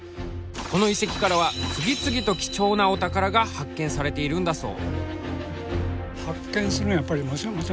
この遺跡からは次々と貴重なお宝が発見されているんだそう。